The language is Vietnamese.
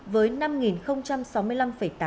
với năm sáu mươi bảy người chết